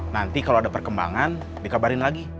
nanti kalau ada perkembangan dikabarin lagi